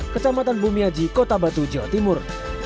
kecamatan bumiaji kota batu jawa timur